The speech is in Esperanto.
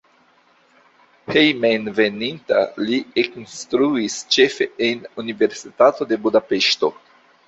Hejmenveninta li ekinstruis ĉefe en Universitato de Budapeŝto.